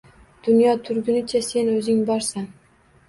Dunyo turgunicha sen O‘zing borsan.